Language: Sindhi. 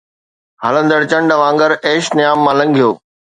ھلندڙ چنڊ وانگر، ايش نيام مان لنگھيو